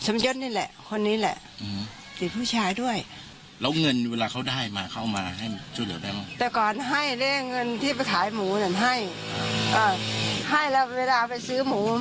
มันไม่มีเงินขายหมูเนอะไม่มีเงินซื้อหมู